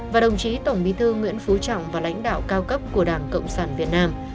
và đồng chí tổng bí thư nguyễn phú trọng và lãnh đạo cao cấp của đảng cộng sản việt nam